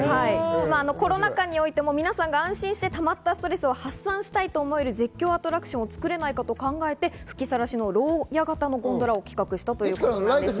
コロナ禍においても皆さんが安心して溜まったストレスを発散したいと思える絶叫アトラクションを作れないかと考えて、吹きさらしの牢屋型ゴンドラを企画したということだそうです。